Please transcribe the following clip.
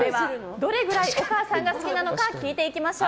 どれぐらいお母さんが好きなのか聞いていきましょう。